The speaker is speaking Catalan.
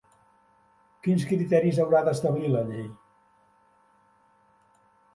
Quins criteris haurà d'establir la llei?